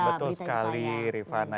betul sekali rifana